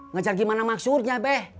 ngejar gimana maksudnya be